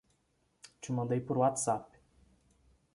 Te mandei por WhatsApp